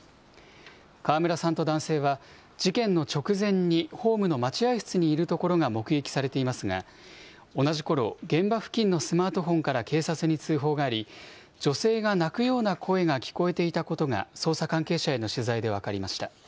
川村さんと男性は、事件の直前にホームの待合室にいるところが目撃されていますが、同じころ、現場付近のスマートフォンから警察に通報があり、女性が泣くような声が聞こえていたことが、捜査関係者への取材で分かりました。